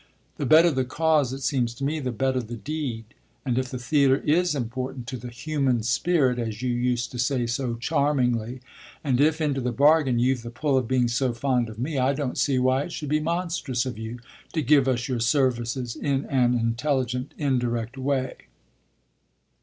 "The better the cause, it seems to me, the better the deed; and if the theatre is important to the 'human spirit,' as you used to say so charmingly, and if into the bargain you've the pull of being so fond of me, I don't see why it should be monstrous of you to give us your services in an intelligent, indirect way.